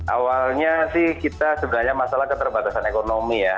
awalnya sih kita sebenarnya masalah keterbatasan ekonomi ya